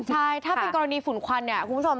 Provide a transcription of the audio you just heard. ใช่ถ้าเป็นกรณีฝุ่นควันเนี่ยคุณผู้ชม